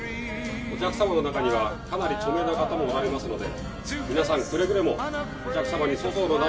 お客さまの中にはかなり著名な方もおられますので皆さんくれぐれもお客さまに粗相のないようお願いします。